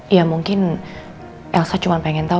ya mungkin elsa cuma pengen tahu